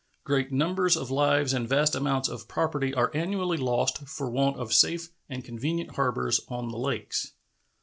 Great numbers of lives and vast amounts of property are annually lost for want of safe and convenient harbors on the Lakes.